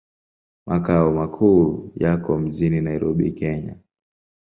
Makao makuu yako mjini Nairobi, Kenya.